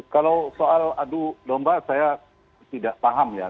kalau soal adu domba saya tidak paham ya